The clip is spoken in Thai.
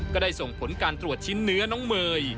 ก็ได้ส่งผลการตรวจชิ้นเนื้อน้องเมย์